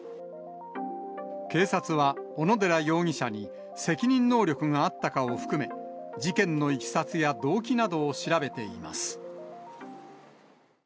警察は、小野寺容疑者に責任能力があったかを含め、事件のいきさつや動機などを調べています。